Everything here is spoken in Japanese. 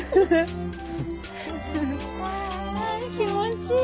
あ気持ちいい。